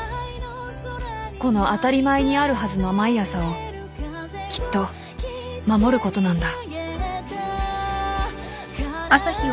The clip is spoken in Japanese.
［この当たり前にあるはずの毎朝をきっと守ることなんだ］